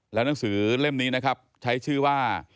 แล้วหนังสือเล่มนี้นะครับใช้ชื่อว่า